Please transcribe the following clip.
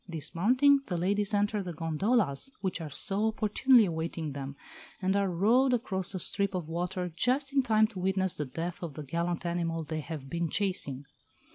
Dismounting, the ladies enter the gondolas which are so opportunely awaiting them, and are rowed across the strip of water just in time to witness the death of the gallant animal they have been chasing.